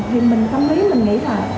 thì mình tâm lý mình nghĩ là